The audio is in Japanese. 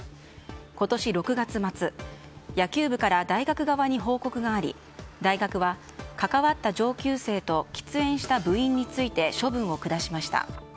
今年６月末、野球部から大学側に報告があり大学は、関わった上級生と喫煙した部員について処分を下しました。